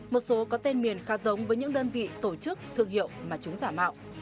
một số có tên miền khác giống với những đơn vị tổ chức thương hiệu mà chúng giả mạo